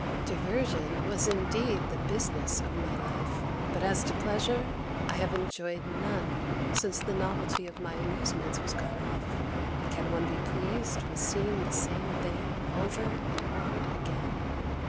Mrs. Modish. Diversion was indeed the business of my life, but as to pleasure, I have enjoyed none since the novelty of my amusements was gone off. Can one be pleased with seeing the same thing over and over again?